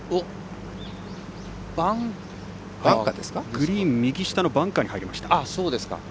グリーン右下のバンカーに入りました。